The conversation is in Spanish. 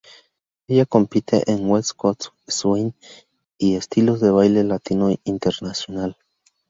Ella compite en west coast swing y estilos de baile latino internacional.